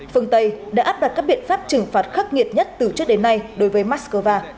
phương tây đã áp đặt các biện pháp trừng phạt khắc nghiệt nhất từ trước đến nay đối với moscow